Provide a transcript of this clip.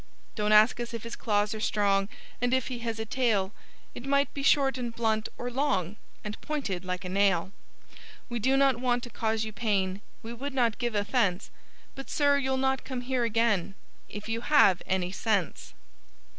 Don't ask us if his claws are strong And if he has a tail. It might be short and blunt, or long And pointed like a nail. We do not want to cause you pain. We would not give offense But, sir, you'll not come here again If you have any sense.